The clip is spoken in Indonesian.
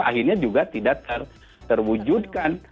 akhirnya juga tidak terwujudkan